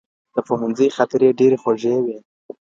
د پوهنځي خاطرې ډېرې خوږې وي.